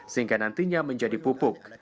sehingga nantinya menjadi pupuk